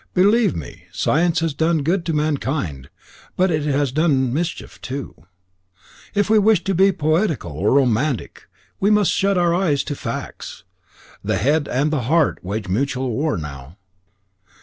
Believe me, science has done good to mankind, but it has done mischief too. If we wish to be poetical or romantic, we must shut our eyes to facts. The head and the heart wage mutual war now.